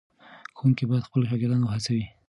ښوونکي باید خپل شاګردان وهڅوي.